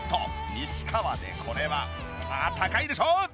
西川でこれは高いでしょ！